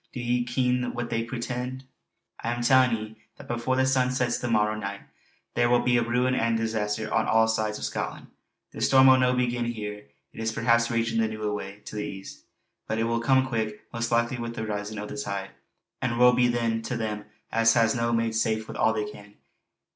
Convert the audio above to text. Do ye ken what they portend? I'm tellin' ye, that before the sun sets the morrow nicht there will be ruin and disaster on all this side o' Scotland. The storm will no begin here. It is perhaps ragin' the noo away to the east. But it will come quick, most likely wi' the risin' o' the tide; and woe be then to them as has no made safe wi' all they can.